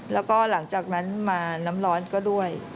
แล้วก็หลังจากนั้นมาน้ำร้อนก็ด้วย